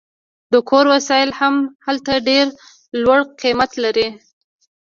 د کور وسایل هم هلته ډیر لوړ قیمت لري